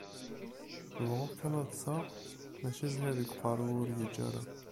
Beɣɣuɣ kan ad ṭṭseɣ maca zzhir deg uqerru-w ur yi-iǧǧa ara.